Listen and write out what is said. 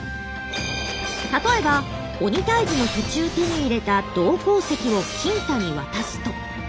例えば鬼退治の途中手に入れた銅鉱石をきんたに渡すと。